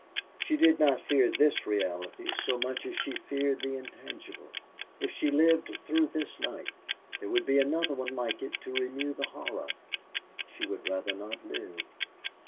She did not fear this reality so much as she feared the intangible. If she lived through this night, there would be another like it to renew the horror. She would rather not live.